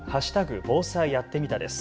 防災やってみたです。